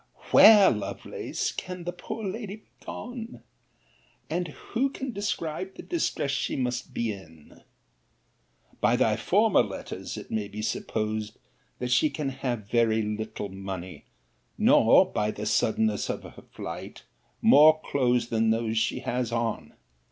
Where, Lovelace, can the poor lady be gone? And who can describe the distress she must be in? By thy former letters, it may be supposed, that she can have very little money: nor, by the suddenness of her flight, more clothes than those she has on.